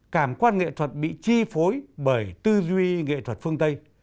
cảm quan nghệ thuật bị chi phối bởi tư duy nghệ thuật phương tây